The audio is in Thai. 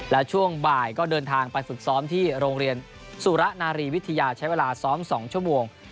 และช่วงบ่ายก็เดินทางไปฝึกซ้อมที่โรงเรียนสุระนารีวิทยาใช้เวลาซ้อม๒ชั่วโมง